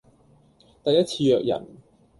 第一次約人